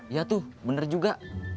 iya tuh bener juga